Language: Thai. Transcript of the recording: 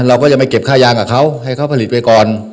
เราก็จะไปเก็บค่ายางกับเขาให้เขาผลิตไปก่อน